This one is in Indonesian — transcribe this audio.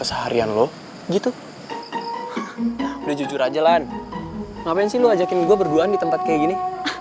seharian lo gitu udah jujur aja lah ngapain sih lo ngajakin gue berduaan di tempat kayak gini